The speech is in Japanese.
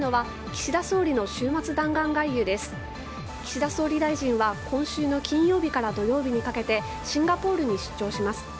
岸田総理大臣は今週の金曜日から土曜日にかけてシンガポールに出張します。